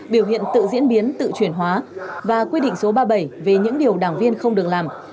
biểu hiện tự diễn biến tự chuyển hóa và quy định số ba mươi bảy về những điều đảng viên không được làm